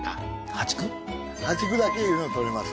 淡竹だけいうの採れます